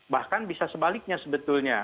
bahkan bisa sebaliknya sebetulnya